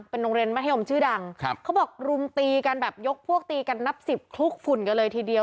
เป็นโรงเรียนมัธยมชื่อดังครับเขาบอกรุมตีกันแบบยกพวกตีกันนับสิบคลุกฝุ่นกันเลยทีเดียว